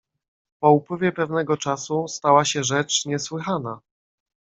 "Po upływie pewnego czasu stała się rzecz niesłychana."